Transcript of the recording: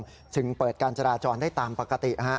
ซึ่งจึงเปิดการจราจรได้ตามปกติ